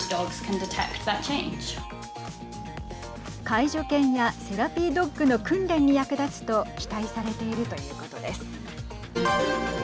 介助犬やセラピードッグの訓練に役立つと期待されているということです。